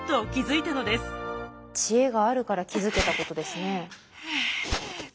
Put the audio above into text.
知恵があるから気付けたことですね。